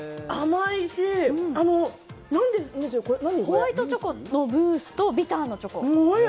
ホワイトチョコのムースとビターのチョコ。